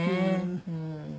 うん。